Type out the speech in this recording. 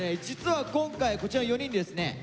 実は今回こちらの４人でですね